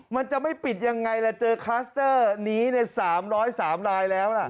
มันจะไม่ปิดยังไงล่ะเจอคลัสเตอร์นี้๓๐๓ลายแล้วล่ะ